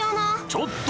ちょっと。